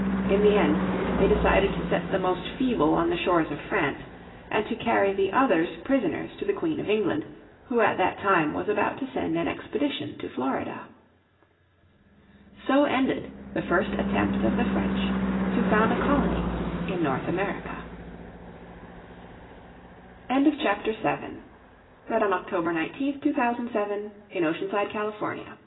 In the end they decided to set the most feeble on the shores of France, and to carry the others prisoners to the Queen of England, who at that time was about to send an expedition to Florida. So ended the first attempt of the French to found a colony in North America. __________ Chapter 8 How The French Founded a Colony in Florida Two years after Ribaut's